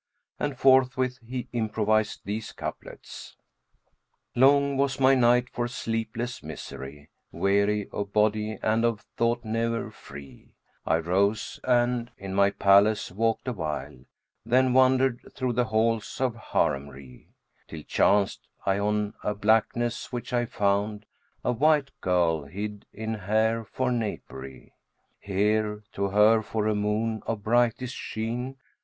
and forthwith he improvised these couplets, "Long was my night for sleepless misery; * Weary of body and of thought ne'er free: I rose and in my palace walked awhile, * Then wandered thro' the halls of Haremry: Till chanced I on a blackness, which I found * A white girl hid in hair for napery: Here to her for a moon of brightest sheen!